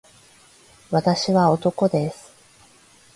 私は男です